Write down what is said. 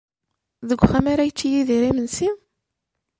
Deg uxxam ara yečč Yidir imensi?